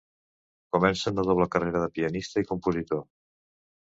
Començà una doble carrera de pianista i compositor.